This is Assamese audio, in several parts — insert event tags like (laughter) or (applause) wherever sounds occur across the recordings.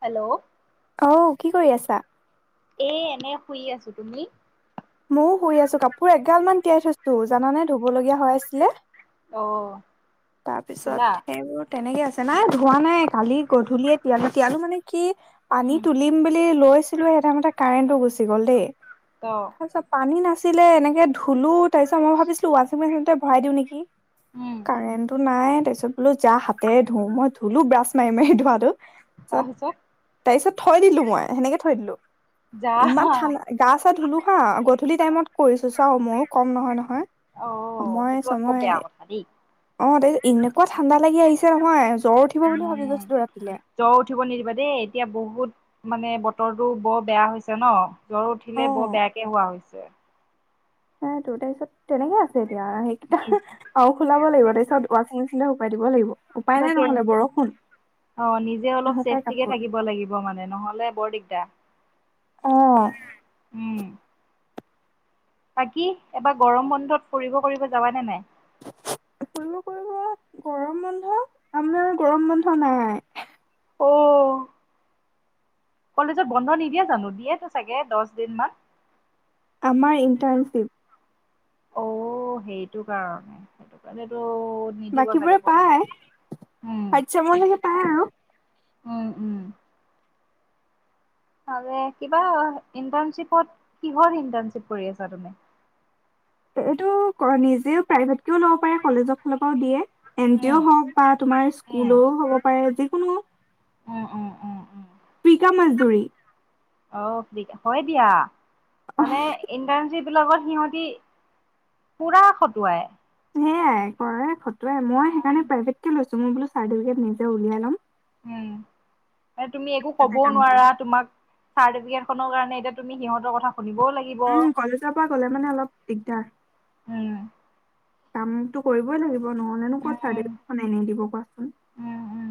হেল্ল'অ অ', কি কৰি আছা? এ এনে শুই আছো তুমি। মইয়ো শুই আছো কাপোৰ এগাল মান তিয়াই থৈছো জানে ধুব লগগীয়া হৈ আছিলে। অ তাৰপিছত ধূলা সেইবোৰ তেনেকে আছে নাই ধোৱা নাই। কালি গধূলিয়ে তিয়ালো তিয়ালো মানে কি পানী উম তুলিম বুলি লৈছিলোঁ। ছিলো সেইটা মতে কাৰেন্ট গুচি গ'ল দেই। অ'। তাৰিছত পানী নাছিলে এনেকে ধুলো তাৰপিছত মই ভাবিছিলো ৱাচিং মেচিনতে ভৰাই দিওঁ নেকি। উম। কাৰেণ্টটো নাই তাৰপিছত বোলো যা হাতেৰে ধোও মই ধুলো ব্ৰাছ মাৰি মাৰি ধোৱাটো। পিছত তাৰপিছত তাৰ পিছত থৈ দিলোঁ মই, তেনেকৈ থৈ দিলোঁ, যা ইমান ঠাণ্ডা। গা চা ধুলো, হা গধূলি টাইমত কৰিছোঁ, চাওঁ মই ও কম নহয় নহয়। অ সময় সেইটো আকৌ চময়। বেয়া কথা দেই অ' তাৰপিছত এনেকুৱা ঠাণ্ডা লাগি আহিছে নহয়, জ্বৰ উঠি আহিব বুলি ভাবি উম গৈছিলোঁ ৰাতিলৈ। জ্বৰ উঠিব নিদিবা দেই, এতিয়া বহুত মানে বতৰটো বৰ বেয়া হৈছে ন'। জ্বৰ উঠিলে বৰ বেয়াকে হোৱা হৈছে। সেইটো তাৰপিছত তেনেকে আছে এতিয়া আহ। কি। আৰু শুকাব লাগিব, তাৰপিছত ৱাশ্বিং মেচিন শুকুৱাই দিব লাগিব, উপায় নাই তাকে নহ'লে বৰষুণ। অ' নিজে অলপ নুশুকাই ছেফটিকে কাপোৰ থাকিব লাগিব মানে, নহ'লে বৰ ডিগদাৰ। অ'। উম্। বাকী এবাৰ গৰম বন্ধত ফুৰিব কৰিব যাবা নে নাই। কৰিব' কৰিব', গৰম বন্ধ, আমাৰ গৰম বন্ধ নাই। অঁ'। কলেজত বন্ধ নিদিয়ে জানো, দিয়েতো চাগে দহ দিন মান। আমাৰ ইণ্টাৰ্নশ্বিপ। অ', সেইটো কাৰণে, সেইটো কাৰণেতোত। নিদিব চাগে ব, উম। সমূহীয়াকৈ পাই আৰু। উম উম। ভালে, কিবা ইণ্টাৰ্নশ্বিপত কিহৰ ইণ্টাৰ্নশ্বিপত কৰি আছা তুমি? এইটো, নিজেও প্ৰাইভেটকেও ল'ব পাৰে কলেজৰ ফালৰ পৰাও দিয়ে। উম এনটিও হওক বা স্কুলও হ'ব পাৰে যিকোনো। অ', অ', অ'। ফ্ৰী কা মাজদুৰী। অ' ফ্ৰীকা, হৈ দিয়া অ মানে। ইণ্টাৰ্ৰনশিপ বিলাকত সিহঁতি পুৰা খটুৱাই। সেইয়াই কৰে খটুৱাই, মই সেইকাৰণে উম প্ৰাইভেটকে লৈছো মোৰ বোলো চাৰ্টিফিকেট নিজে উলিয়াই লম। উম, এই তুমি একো তাতে কবও কাম কৰিম নোৱাৰা তোমাক। চাৰ্টিফিকেটখনৰ কাৰণে, এতিয়া তুমি এতিয়া সিহঁতৰ কথা শুনিবও লাগিব। উম, কলেজৰ পৰা গলে মানে অলপ দিগদাৰ। উম কামতো কৰিবই লাগিব নহ'লেনো কত উম চাৰ্টিফিকেট খন এনেই দিব কোৱাচোন। উম উম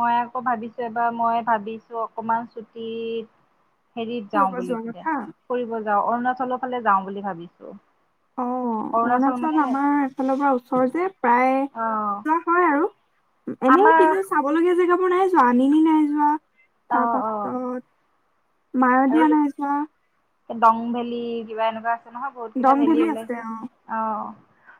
মই আকৌ ভাবিছো এবাৰ মই ভাবিছো অকমান ছুতি। হেৰিত যাওঁ ফুৰিব বুলি যোৱা ভাবিছোঁ, কথা ফুৰিব যাওঁ, অৰুণাচলৰ ফালে যাওঁ বুলি ভাবিছোঁ। অ' অৰুণাচল আমাৰ, আমাৰ ফালৰ পৰা ওচৰ যে প্ৰায় অ যোৱা হয় আৰু এনেই আমাৰ কিন্তু চাব লগীয়া জেগাবোৰ নাই যোৱা আনিনি নাই যোৱা, অ তাৰ অ পাছত আৰু মায়'দিয়া না‌ই জোৱা। দং ভেলী, কিবা এনেকুৱা আছে নহয়, বহুত কেইটা দং ভেলি ভেলী আছে উলাইছে। অ অ'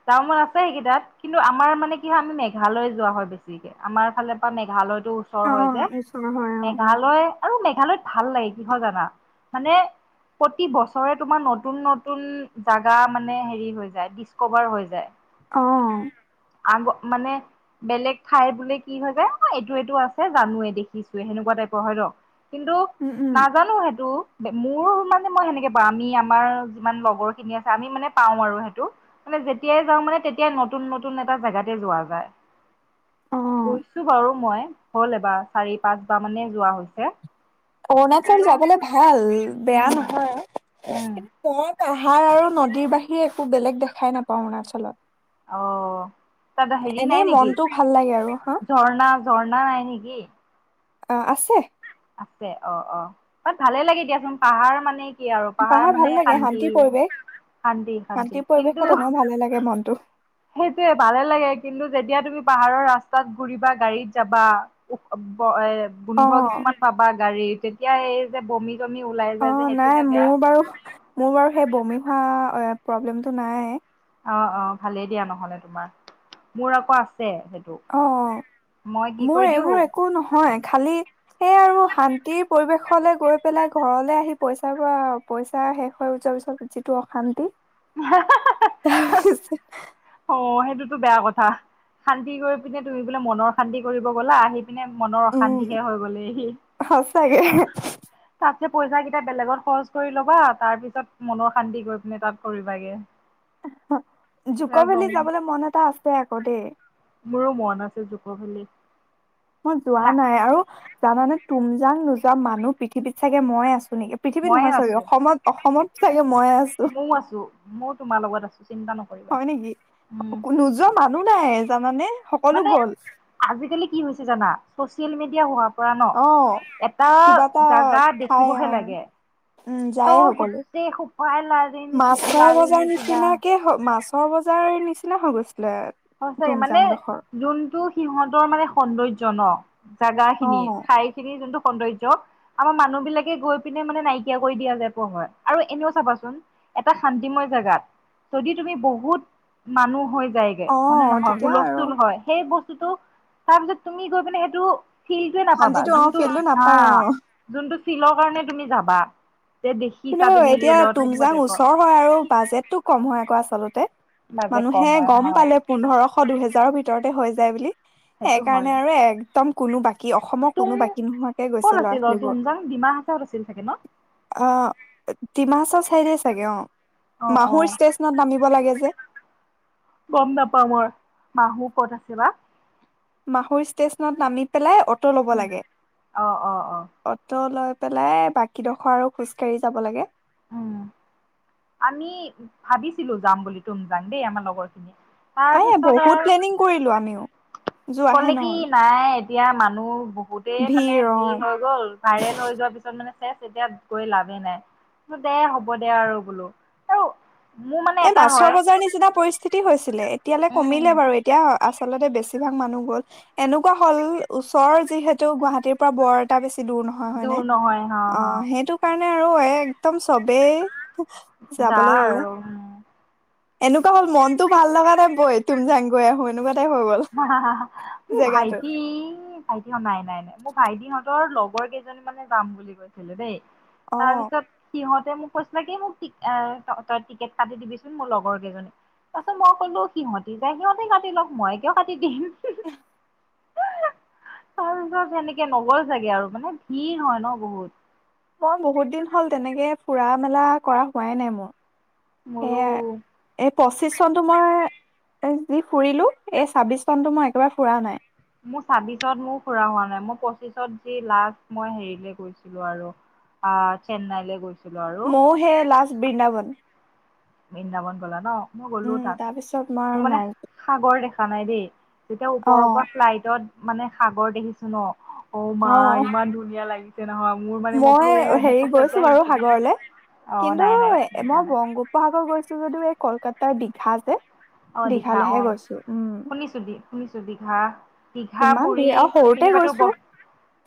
যাব মন‌ আছে সেইকেইটাত, কিন্তু আমাৰ মানে কি হয়, আমি মেঘালয় যোৱা হয় বেছি। আমাৰ ফালৰ পৰা মেঘালয়তো, ওচৰৰ অ হয় যে, ওচৰ হয় অ মেঘালয় আৰু মেঘালয়ত ভাল লাগে কি হয় জানা। মানে প্ৰতি বছৰে তোমাৰ নতুন নতুন জাগা মানে হেৰি হৈ যায় কোভাৰ হৈ যায়। অ'। আগ- মানে বেলেগ ঠাই বুলি কি হৈ যায় অ' এইটো এইটো আছে জানোৱে দেখিছোৱে সেনেকুৱা টাইপৰ হয় ন'। কিন্তু উ উম। জানোঁ সেইটো মোৰ মানে মই সেনেকে বা আমি আমাৰ যিমান লগৰ খিনি আছে আমি মানে পাওঁ আৰু সেইটো মানে যেতিয়াই যাওঁ মানে তেতিয়াই নতুন নতুন এটা জেগাতে যোৱা যায়। অ' গইছোঁ বাৰু মই হ'ল এবাৰ চাৰি পাঁচবাৰ মানে যোৱা হৈছে। অৰুণাচল কিন্তু যাবলে ভাল বেয়া উম, নহয় উম, মই পাহাৰ আৰু নদীৰ বাহিৰে একো বেলেগ দেখাই নাপাওঁ অৰুণাচলত। অ তাত হেৰি এনেই নাই নেকি মনটো ভাল লাগে আৰু হা ঝৰ্ণা ঝৰ্ণা নাই নেকি? অ' আছে। আছে অ' অ' তাত ভালে লাগে দিয়াচোন পাহাৰ মানে কি আৰু পাহাৰ ভাল মানে লাগে শান্তি শান্তিৰ পৰিৱেশ শান্তি শান্তি শান্তিৰ পৰিৱেশত কিন্তু এনেও ভালে লাগে মনটো সেইটোয়ে ভালে লাগে কিন্তু যেতিয়া তুমি পাহাৰৰ ৰাস্তাত ঘুৰিবা গাড়ীত যাবা উ- এ অ গোন্ধ কিছুমান পাবা গাড়ী তেতিয়া এই যে বমি চমি ওলাই অ যায় যে নাই সেইটোহে বেয়া। মোৰ বাৰু মোৰ বাৰু সেই বমি হোৱা প্ৰব্লেমটো নাই। অ' অ' ভালেই দিয়া নহ'লে তোমাৰ মোৰ আকৌ আছে সেইটো। মই কি অ' মোৰ কৰি এইবোৰ দিওঁ একো নহয় খালি সেই আৰু আৰু শান্তিৰ পৰিৱেশলে গৈ পেলাই ঘৰলে আহি পইচাৰ পৰা পইচা শেষ হৈ যোবা পিছত তো অশান্তি। (unintelligible) (unintelligible) অ' সেইটোতো বেয়া কথা শান্তি কৰি পিনে তুমি বোলে মনৰ শান্তি কৰিব গ'লা আহি আহি পিনে মনৰ উম অশান্তিহে হৈ গলে হি সঁচাকে তাত যে পইচা কেইটা বেলেগত খৰচ কৰি ল'বা তাৰ পিছত মনৰ শান্তি গৈ পিনে তাত কৰিবাগে। জুক ভেলি যাবলৈ মন এটা আছে আকৌ দেই। মোৰো মন আছে জুক ভেলি। মই যোৱা না নাই আৰু জানানে তুম যাং নোযোৱা মানুহ পৃথিৱীত চাগে মই আছোঁ নেকি। পৃথিৱীত মইয়ে নহয় চৰি অসমত অসমত চাগে মই আছোঁ। ময়ো আছোঁ ময়ো তোমাৰ লগত আছোঁ চিন্তা নকৰিবা উম। যোৱা মানুহ নাই জানানে সকলো মানে গ'ল। আজিকালি কি হৈছে জানা চচিয়েল মিডিয়া হোৱা কৰা অ ন' এটা কিবা এটা জাগা ঠাই দেখিবহে অ লাগে উম ত যায়ে সকলো গুটেই সোপা লাৰি- নিচিগা লাৰি নিচিগা ছয় বজাৰ নিচিনা হৈ গৈছিলে হৈছে মানে তুমজাংডোখৰ যোনটো সিহঁতৰ মানে সৌন্দৰ্য ন জাগা অ খিনি ঠাইখিনিৰ যোনটো সৌন্দৰ্য আমাৰ মানুহ বিলাকে গৈ পিনে মানে নাইকিয়া কৰি দিয়া যায় পঢ় হয় আৰু এনেও চাবাচোন এটা শান্তিময় জেগাত যদি তুমি বহুত মানুহ হৈ যায় অ মানে নহয় তেতিয়া আৰু সুলচতুল হয় সেই বস্তুটো তাৰ পিছত তুমি গৈ পিনে সেইটো শিলটোৱে নাপাবা শান্তিটো অ যোনটো ফিল্ডটো হা, নাপায় অ যোনটো শিলৰ কাৰণে তুমি যাবা। তে কিন্তু দেখিছা তুমি এতিয়া ৰিলত সেনেকুৱা তুমজাং টাইপৰ। ওচৰ আৰু বাজেটো ক'ম হয়, আকৌ আচলতে বাজেট কম মানুহে হয় অ গ'ম পালে। পোন্ধৰশ দুহেজাৰৰ ভিতৰতে হৈ যায় বুলি, সেই সেইটো হয় কাৰণে আৰু একদম কোনো বাকী কি অসমৰ কোনো তুম বাকী নোহোৱাকে ক'ত গৈছে আছিল অ ল'ৰা-ছোৱালীবোৰ। তুমজাং ডিমা হাচাওত আছিল চাগে ন অ', ডিমা হাছাওৰ চাইডে চাগে অ', অ অ মাহুৰ ষ্টেচনত নামিব লাগে যে। গ'ম নাপাওঁ মই মাহুৰ ক'ত আছে বা? মাহুৰ ষ্টেচনত নামি পেলাই অ'টো ল'ব উম লাগে। অ অ অ অ'টো লৈ পেলাই বাকীডোখৰ আৰু খোজকাঢ়ি যাব লাগে। উম। আমি ভাবিছিলো যাম বুলি তুমজাং দেই আমাৰ লগৰ খিনি এ তাৰপিছত বহুত আৰু প্লেনিং কৰিলো আমিও। যোৱাহে ক'লে কি নহল নাই এতিয়া মানুহ বহুতেই মানে ভিৰ হৈ গ'ল। ভাইৰেল হৈ যোৱাৰ পিছত মানে চেচ এতিয়া গৈ লাভেই নাই। দে হ'ব দে আৰু বোলো আৰু মোৰ মানে এ এটা মাছৰ হয় বজাৰ নিচিনা পৰিস্থিতি হৈছিলে, এতিয়ালৈ কমিলে উম বাৰু এতিয়া আচলতে বেছিভাগ মানুহ গ'ল। এনেকুৱা হ'ল ওচৰৰ যিহেতু গুৱাহাটীৰ পৰা বৰ এটা বেছি দূৰ নহয়। হয়, হয়, দূৰ নে? নহয় হ হ অ', সেইটো কাৰণে আৰু একদম চবেই যা যাবলে ল'লে। আৰু উম। এনেকুৱা হ'ল মনত ভাল লগা নাই বৈ তুমজাং গৈ আহো এনেকুৱা টাইপ হৈ গ'ল। মোৰ জেগাটো ভাইটি ভাইটিহত নাই নাই নাই মোৰ ভাইটিহঁতৰ লগৰ কেইজনী মানে যাম বুলি কৈছিলে দেই। অ তাৰপিছত সিহতে মোক কৈছিলে কি মোক তই টিকেট কাতি দিবিচোন মোৰ লগৰ কেইজনী। তাৰপিছত মই কলো সিহঁতি যায় সিহঁতে কাটি লওক মই কিয় কাটি দিম। তাৰপিছত সেনেকে নগ'ল চাগে আৰু মানে ভিৰ হয় ন' বহুত! মই বহুত দিন হ'ল তেনেকে ফুৰা-মেলা কৰা হোৱাই নাই মোৰ। সেয়া। মোৰো এই পঁচিশ চনতটো মই যি ফুৰিলো, এই ছাব্বিছ চনটো মই একেবাৰে ফুৰা নাই। মোৰ ছাব্বিশত মোৰ ফুৰা হোৱা নাই, মই পঁচিছত যি লাষ্ট মই হেৰিলৈ গৈছিলো আৰু। অ', চেন্নাইলৈ গৈছিলৈ। মইও হেই লাষ্ট বৃন্দাবন। বৃন্দাবন গ'লা ন'? মই গ'লো উম, তাৰপিছত মই তাত মোৰ আৰু মানে নাই সাগৰ দেখা নাই দেই, যেতিয়া ওপৰৰ পৰা অ', ফ্লাইটত মানে সাগৰ দেখিছো ন' অ', মা অ', ইমান ধুনীয়া লাগিছে নহয় মোৰ মানে মই বোলো অ', মই হেৰি গৈছো সঁচাকে বাৰু আহিছো সাগৰলে অ', কিন্তু নাই নাই মই (unintelligible) নাই। (unintelligible) গৈছো যদিও এই কলকাতাৰ দীঘা যে অ দীঘা দীঘালেহে অ গৈছো, উম। শুনিছো শুনিছো দিঘা দিঘা ইমান পুৰি ভিৰ আৰু সৰুতে সেইখিনিপাতো গৈছো ব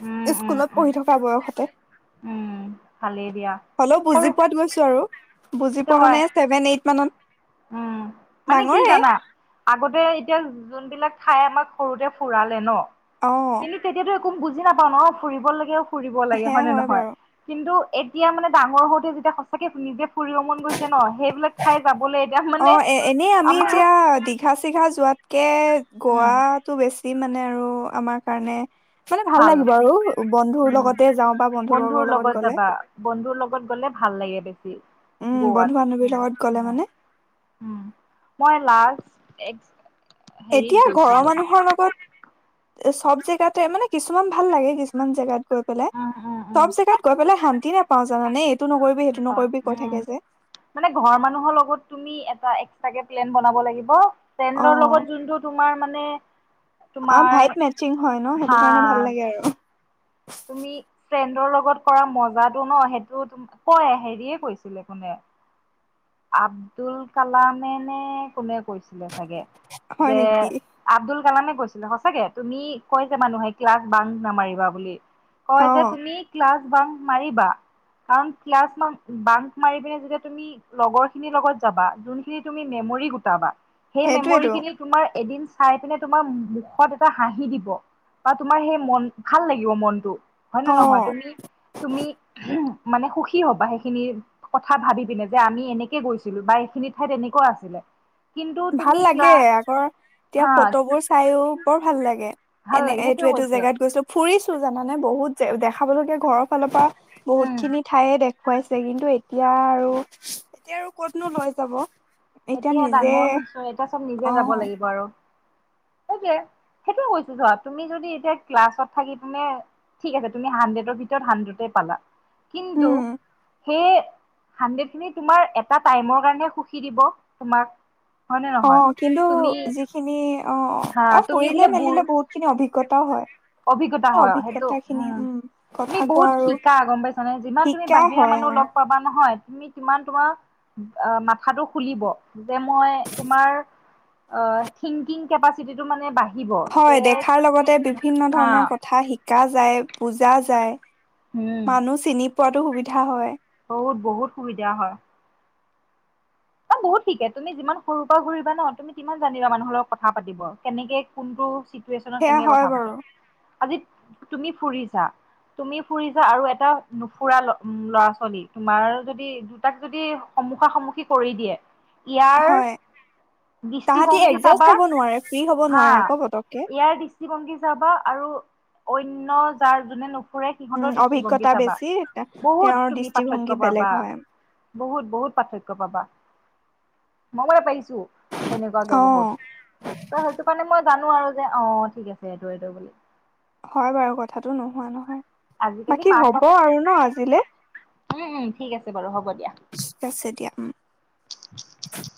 উম উম স্কুলত উম পঢ়ি থকা বয়সতে। উম ভালেই দিয়া হ'লেও বুজি সৰু পোৱাত গৈছো আৰু। বুজি সেইটো পোৱা মানে হয় ছেভেন এইট মানত। উম, মানে কি ডাঙৰে জানা? আগতে এতিয়া যোনবিলাক ঠাই আমাক সৰুতে ফুৰালে ন'? অ'। কিন্তু তেতিয়াতো একো বুজি নাপাও ন ফুৰিব লাগে আৰু ফুৰিব লাগে সেয়া হয় নে নহয় বাৰু কিন্তু এতিয়া মানে ডাঙৰ হওঁতে যেতিয়া সচাকে নিজে ফুৰিব মন গৈছে ন সেইবিলাক ঠাই যাবলে অ এ এনেই আমি এতিয়া দীঘা চিঘা যোৱাতকে উম গোৱাত টো বেছি মানে আৰু আমাৰ কাৰণে মানে ভাল লাগিব আৰু বন্ধুৰ উম লগতে যাওঁ বা বন্ধু বন্ধুৰ বৰ্গৰ লগত গ'লে যাবা বন্ধুৰ লগত গ'লে ভাল লাগে বেছি উম গ'ৱাত বন্ধু বান্ধৱীৰ লগত গ'লে মানে মই লাষ্ট এক্স এতিয়া ঘৰৰ মানুহৰ লগত চব জেগাতে মানে কিছুমান ভাল লাগে কিছুমান জেগাত গৈ পেলাই উম উম চব উম জেগাত গৈ পেলাই শান্তি নাপাওঁ জানানে নকৰিবি সেইটো নকৰিবি কৈ উম থাকে যে মানে ঘৰ মানুহৰ লগত তুমি এটা এক্সটাকে প্লেন বনাব লাগিব অ ফ্ৰেণ্ডৰ লগত যোনটো তোমাৰ মানে অ তোমাৰ ভাইট্ৰ মেচিং হয় ন সেইটো হা কাৰণে ভাল লাগে আৰু তুমি ফ্ৰেণ্ডৰ লগত কৰা মজাটো ন সেইটো তোমা কয় হেৰিয়ে কৈছিলে কোনে আব্দুল কালামে নে কোনে কৈছিলে চাগে হয় যে নেকি আব্দুল কালামে কৈছিলে সঁচাকে তুমি কৈ যে মানুহে ক্লাছ বাং নামাৰিবা বুলি কয় অ যে তুমি ক্লাছ বাম্প মাৰিবা কাৰণ ক্লাছ বাঙ বাম্প মাৰি পিনে যেতিয়া তুমি লগৰ খিনি লগত যাবা যোনখিনি তুমি মেমৰী গুটাবা, সেই মেমৰী সেইটোয়েতো খিনি তোমাৰ এদিন চাই পিনে তোমাৰ মুখত এটা হাঁহি দিব বা তোমাৰ সেই মন ভাল লাগিব মনটো হয় নে নহয় অ তুমি তুমি মানে সুখ খী হ'বা সেইখিনি কথা ভাবি পিনে যে আমি এনেকে গৈছিলো বা এইখিনি ঠাইত এনেকুৱা আছিলে কিন্তু ভাল তুমি ক্লা লাগে আগৰ এতিয়া হা ফটোবোৰ চাইও বৰ ভাল লাগে ভাল এনে লাগে সেইটোৱে এইটো এইটো কৈছে জেগাত গৈছো ফুৰিছো জানানে বহুত দেখাবলগীয়া ঘৰৰ ফালৰ পৰা উম বহুত খিনি ঠায়ে দে খুৱাইছে কিন্তু এতিয়া আৰু এতিয়া আৰু কতনো লৈ যাব এতিয়া ডাঙৰ হৈছে এতিয়া চব অ নিজেই যাব লাগিব আৰু সেইটোৱে সেইটোয়ে কৈছো চোৱা তুমি যদি এতিয়া ক্লাছত থাকি পিনে ঠিক আছে তুমি হাণ্ডেতৰ ভিতৰত হাণ্ডেডে পালা কিন্তু উম সেই হাণ্ড্ৰেড খিনি তোমাৰ এটা টাইমৰ কাৰণে সুখী দিব তোমাক হয়নে অ নহয় কিন্তু তুমি যিখিনি হা অ তুমি বোলে ফুৰিলে বুঢ় মেলিলে বহুত খিনি অভিজ্ঞতাও হয় অভিজ্ঞতা অ, হয় সেইটো অভিজ্ঞতা খিনি উম তুমি কথা কোৱা বহুত আৰু শিকা গম পাইছানে যিমান তুমি শিকা বাহিৰা হয় মানুহ অ লগ পাবা নহয় তুমি সিমান তোমাৰ মাথাটো খুলিব যে মই তোমাৰ অ থিংকিং কেপাচিটিটো মানে বাঢ়ি হয় দেখাৰ লগতে বিভিন্ন হা ধৰণৰ কথা শিকা যায়, বুজা যায় উম মানুহ চিনি পোৱাতো সুবিধা হয় বহুত বহুত সুবিধা হয় বহুত শিকে তুমি যিমান সৰুৰ পৰা ঘুৰিবা ন তুমি সিমান জানিবা মানুহৰ লগত কথা পাতিব কেনেকে, কোনটো চিটুৱেচনত সেয়া কেনেকে হয় কথা বাৰু পাতে আজি তুমি ফুৰিছা তুমি ফুৰিছা। আৰু এটা নুফুৰা ল'ৰা- ছোৱালী তোমাৰ যদি দুটাক যদি সন্মুখা, সন্মুখী, কৰি দিয়ে, ইয়াৰ হয় তাহাঁতি দৃষ্টিভংগী এডজাষ্ট চাবা। হ'ব নোৱাৰে ফ্ৰী হ'ব হা নোৱাৰে আকৌ পতককে ইয়াৰ দৃ দিষ্টিভংগী চাবা। আৰু অন্য যাৰ যোনে ন ফুৰে উম সিহঁতৰ দৃষ্টিভংগী অভিজ্ঞতা চাবা। বেছি বহুত তেওঁৰ তুমি দৃষ্টিভংগী পাৰ্থক্য বেলেগ পাবা। হয় বহুত, বহুত পাৰ্থক্য পাবা। মই পাইছোঁ সেনেকুৱাকে অ বহুত। ত সেইটো কাৰণে মই জানো। আৰু যে অ ঠিক আছে এইটো, এইটো বুলি। হয় বাৰু কথাটো নোহোৱা নহয়। আজিকালি বাকী মাক বাপ হব আৰু ন আজিলে? উম, উম ঠিক আছে বাৰু।। হ'ব দিয়া। ঠিক আছে দিয়া। উম (inaudible)